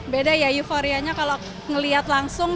beda ya euforianya kalau ngelihat langsung